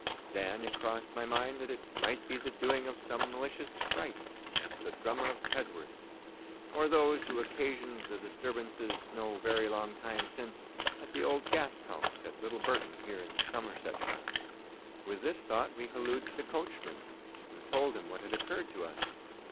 Then it crossed my mind that it might be the doing of some malicious sprite, as the Drummer of Tedworth, or those who occasioned the disturbances no very long time since at the old Gast House at Little Burton here in Somersetshire. (Note F. Appendix.) With this thought we hallooed to the coachman, and told him what had occurred to us.